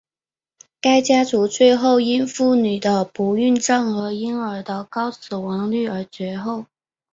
该家族最后因妇女的不孕症和婴儿的高死亡率而绝后。